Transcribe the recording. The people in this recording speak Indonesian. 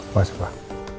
pak ya pak